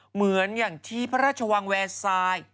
เหมือนอย่างที่พระราชวังแวร์ทราย